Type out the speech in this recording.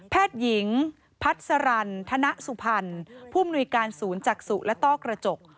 หญิงพัสรันธนสุพรรณผู้มนุยการศูนย์จักษุและต้อกระจก